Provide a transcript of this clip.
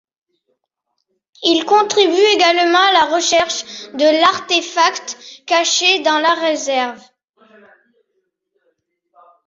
Ils contribuent également à la recherche de l'artéfact caché dans la réserve...